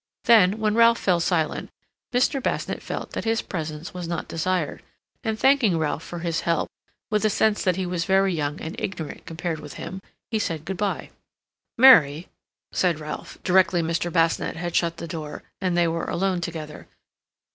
Then, when Ralph fell silent, Mr. Basnett felt that his presence was not desired, and thanking Ralph for his help, with a sense that he was very young and ignorant compared with him, he said good bye. "Mary," said Ralph, directly Mr. Basnett had shut the door and they were alone together.